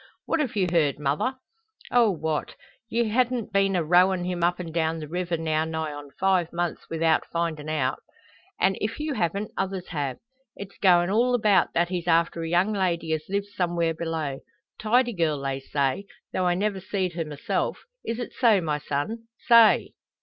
"What have you heard, mother?" "Oh, what! Ye han't been a rowin' him up and down the river now nigh on five months without findin' out. An' if you haven't, others have. It's goin' all about that he's after a young lady as lives somewhere below. Tidy girl, they say, tho' I never seed her myself. Is it so, my son? Say!"